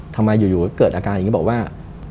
ทำไมอยู่เกิดอาการอย่างนี้บอกว่า